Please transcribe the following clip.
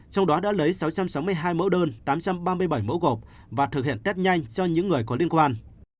trong đó đã lấy sáu trăm sáu mươi hai mẫu đơn tám trăm ba mươi bảy mẫu gộp và thực hiện test nhanh cho những người có liên quan